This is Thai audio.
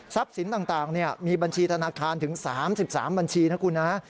สินต่างมีบัญชีธนาคารถึง๓๓บัญชีนะคุณนะ